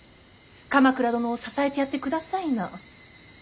鎌倉殿を支えてやってくださいな。